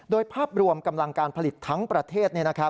โดยภาพรวมกำลังการผลิตทั้งประเทศ